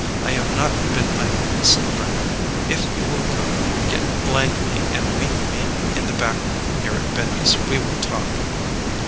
I have not been idle this night. If you will go get Langley and meet me in the back room here at Benny's, we will talk."